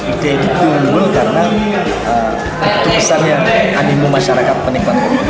ide itu tumbuh karena itu pesannya animu masyarakat penikmat kopi